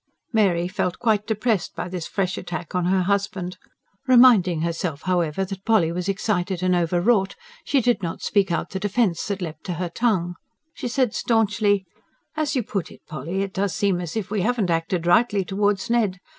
Mary felt quite depressed by this fresh attack on her husband. Reminding herself, however, that Polly was excited and over wrought, she did not speak out the defence that leapt to her tongue. She said staunchly: "As you put it, Polly, it does seem as if we haven't acted rightly towards Ned.